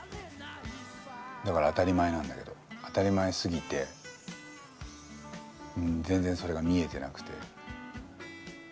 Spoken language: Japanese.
だから当たり前なんだけど当たり前すぎてうん全然それが見えてなくて。